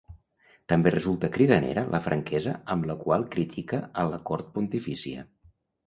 També resulta cridanera la franquesa amb la qual critica a la cort pontifícia.